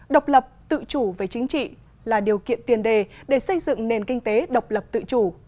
độc lập tự chủ về chính trị là điều kiện tiền đề để xây dựng nền kinh tế độc lập tự chủ